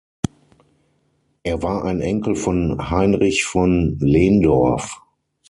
Er war ein Enkel von Heinrich von Lehndorff.